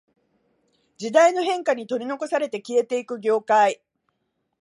時代の変化に取り残されて消えていく業界